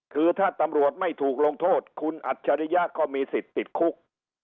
คือถ้าตำรวจไม่ถูกลงโทษคุณอัจฉริยะก็มีสิทธิ์ติดคุก